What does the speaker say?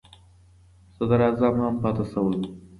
صدر اعظم هم پاتې شوی و.